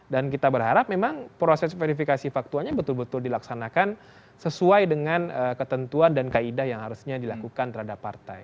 dan kita berharap memang proses verifikasi faktualnya betul betul dilaksanakan sesuai dengan ketentuan dan kaidah yang harusnya dilakukan terhadap partai